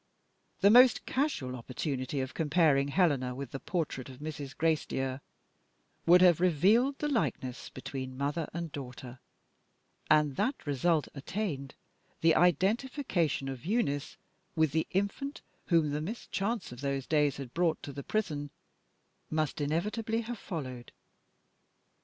The most casual opportunity of comparing Helena with the portrait of Mrs. Gracedieu would have revealed the likeness between mother and daughter and, that result attained, the identification of Eunice with the infant whom the "Miss Chance" of those days had brought to the prison must inevitably have followed.